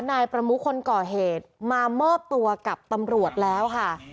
นายประมุกคนก่อเหตุมามอบตัวกับตำรวจแล้วค่ะ